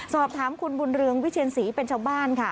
สอบถามคุณบุญเรืองวิเชียนศรีเป็นชาวบ้านค่ะ